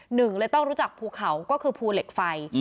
หนึ่งเลยต้องรู้จักภูเขาก็คือภูเหล็กไฟ